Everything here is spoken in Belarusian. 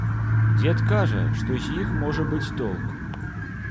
Дзед кажа, што з іх можа быць толк.